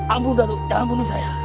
ampun datuk jangan bunuh saya